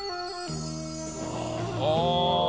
ああ。